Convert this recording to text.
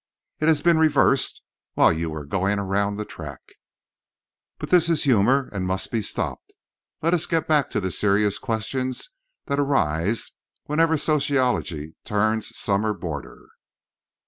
It has been reversed while you were going around the track. But this is humour, and must be stopped. Let us get back to the serious questions that arise whenever Sociology turns summer boarder.